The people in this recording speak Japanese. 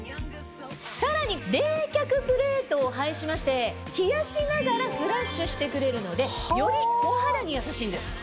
さらに冷却プレートを配しまして冷やしながらフラッシュしてくれるのでよりお肌に優しいんです。